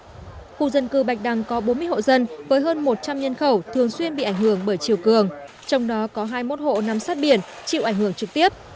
trong khu dân cư bạch đăng có bốn mươi hộ dân với hơn một trăm linh nhân khẩu thường xuyên bị ảnh hưởng bởi chiều cường trong đó có hai mươi một hộ nằm sát biển chịu ảnh hưởng trực tiếp